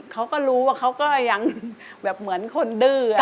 เขาก็รู้ว่าเขาก็ยังแบบเหมือนคนดื้อ